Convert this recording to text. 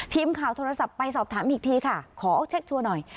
ทีมข่าวโทรศัพท์ไปสอบถามอีกทีค่ะขอเช็คชัวร์หน่อย